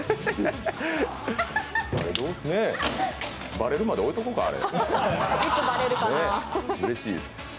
バレるまで置いておこうか、あれ。